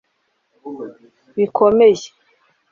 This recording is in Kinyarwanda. bikomeye